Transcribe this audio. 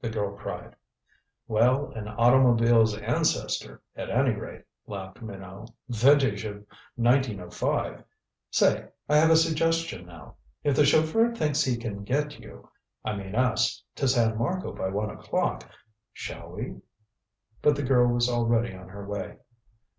the girl cried. "Well, an automobile's ancestor, at any rate," laughed Minot. "Vintage of 1905. Say I have a suggestion now. If the chauffeur thinks he can get you I mean, us to San Marco by one o'clock, shall we " But the girl was already on her way.